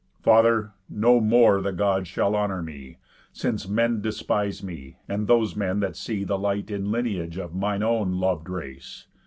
"Father! no more the Gods shall honour me, Since men despise me, and those men that see The light in lineage of mine own lov'd race.